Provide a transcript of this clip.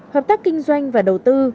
hợp tác kinh doanh và đầu tư